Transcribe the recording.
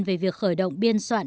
về việc khởi động biên soạn